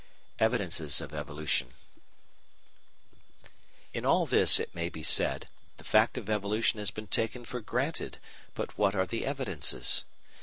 Evidences of Evolution In all this, it may be said, the fact of evolution has been taken for granted, but what are the evidences?